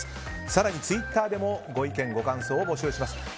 更にツイッターでもご意見、ご感想を募集します。